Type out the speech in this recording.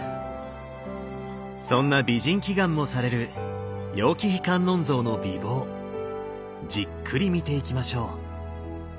そんな美人祈願もされる楊貴妃観音像の美貌じっくり見ていきましょう。